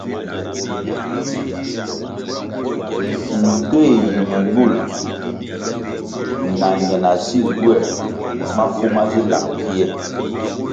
Nkéh yi ñe ñul na ñe na sil gywer mafu ma zi lang pfie.